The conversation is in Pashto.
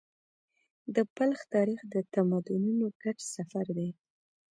د بلخ تاریخ د تمدنونو ګډ سفر دی.